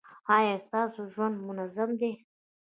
ایا ستاسو ژوند منظم دی؟